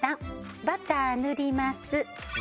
バター塗ります。